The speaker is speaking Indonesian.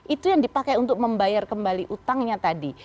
itu yang dipakai untuk membayar kembali utangnya tadi